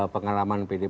pengalaman pt perjuangan